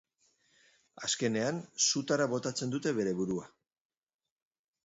Azkenean, sutara botatzen dute bere burua.